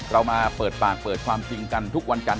เรามาเปิดปากเปิดความจริงกันทุกวันจันท